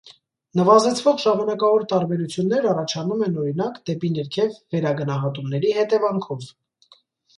Նվազեցվող ժամանակավոր տարբերություններ առաջանում են, օրինակ, դեպի ներքև վերագնահատումների հետևանքով։